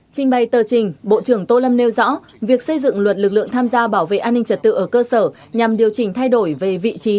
trình bày tờ trình bộ trưởng tô lâm nêu rõ việc xây dựng luật lực lượng tham gia bảo vệ an ninh trật tự ở cơ sở nhằm điều chỉnh thay đổi về vị trí